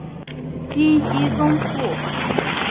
金熙宗父。